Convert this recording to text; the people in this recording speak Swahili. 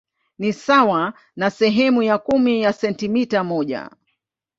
Ni sawa na sehemu ya kumi ya sentimita moja.